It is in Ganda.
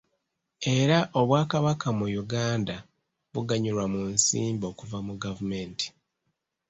Era obwakabaka mu Uganda buganyulwa mu nsimbi okuva mu gavumenti.